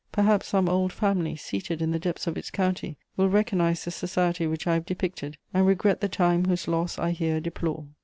Perhaps some old family, seated in the depths of its county, will recognise the society which I have depicted and regret the time whose loss I here deplore.